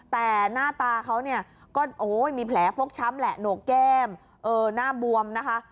แต่หน้าตาเขาเนี่ยก็มีแผลฟกช้ำแหละโหนกแก้มหน้าบวมนะคะ